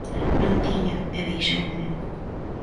Non tiña, e deixoume.